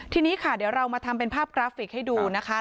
ทีนี้ค่ะเดี๋ยวเรามาทำเป็นภาพกราฟิกให้ดูนะคะ